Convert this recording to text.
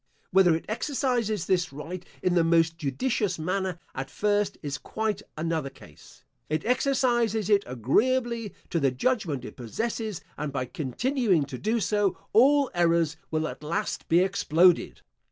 Whether it exercises this right in the most judicious manner at first is quite another case. It exercises it agreeably to the judgment it possesses; and by continuing to do so, all errors will at last be exploded.